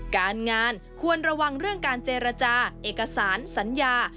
การงานควรระวังเรื่องการเจรจาเอกสารสัญญา